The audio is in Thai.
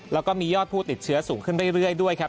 แล้วก็มียอดผู้ติดเชื้อสูงขึ้นเรื่อยด้วยครับ